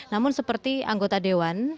namun seperti anggota dewan